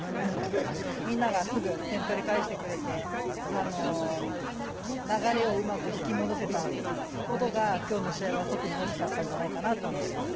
みんながすぐ点取り返してくれて、流れをうまく引き戻せたことが、きょうの試合は特に大きかったんじゃないかなと思ってます。